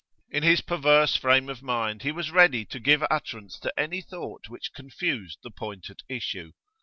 In his perverse frame of mind he was ready to give utterance to any thought which confused the point at issue.